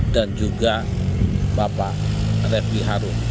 dan juga bapak refi harun